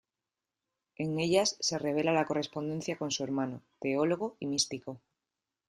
En ellas se revela la correspondencia con su hermano, teólogo y místico.